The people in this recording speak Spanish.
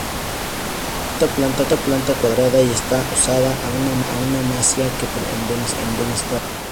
Presenta planta cuadrada y está adosada a una masía, que permanece en buen estado.